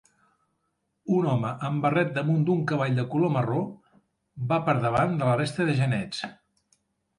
Un home amb barret damunt d'un cavall de color marró va per davant de la resta de genets.